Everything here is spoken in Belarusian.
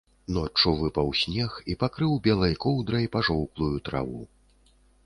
Ноччу выпаў снег і пакрыў белай коўдрай пажоўклую траву.